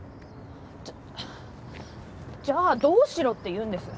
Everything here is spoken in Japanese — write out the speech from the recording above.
じゃじゃあどうしろっていうんです？